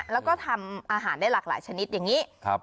แล้วก็ทำอาหารได้หลากหลายชนิดอย่างนี้